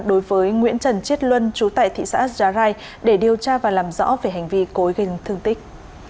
đối với nguyễn trần chiết luân chú tại thị xã già rai để điều tra và làm rõ về hành vi cối gây thương tích